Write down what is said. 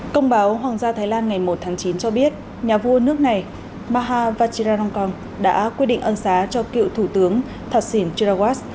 công báo hoàng gia thái lan ngày một tháng chín cho biết nhà vua nước này maha vachirarongkong đã quyết định ân xá cho cựu thủ tướng thạch sìn chirawas